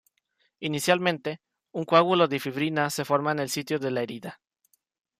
Inicialmente, un coágulo de fibrina se forma en el sitio de la herida.